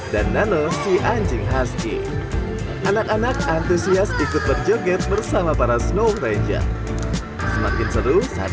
dan nano si anjing husky anak anak antusias ikut berjoget bersama para snow ranger semakin seru saat